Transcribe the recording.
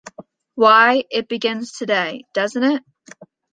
Why, it begins today, doesn't it?